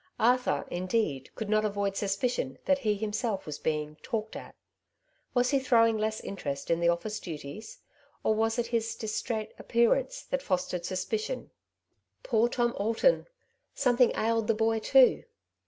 Arthur, indeed, could not avoid suspicion, that he himself was being " talked at.'^ Was he throwing less interest in the office duties ? or was it his distrait appearance that fostered suspicion ? Poor Tom Alton ! something ailed the boy too.